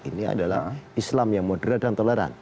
ini adalah islam yang moderat dan toleran